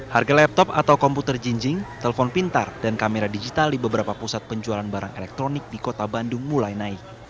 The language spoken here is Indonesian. harga laptop atau komputer jinjing telpon pintar dan kamera digital di beberapa pusat penjualan barang elektronik di kota bandung mulai naik